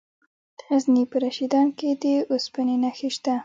د غزني په رشیدان کې د اوسپنې نښې شته.